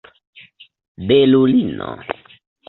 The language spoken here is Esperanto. belulino